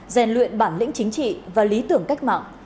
rèn luyện bản lĩnh chính trị và lý tưởng cách mạng